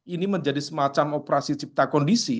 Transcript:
ini menjadi semacam operasi cipta kondisi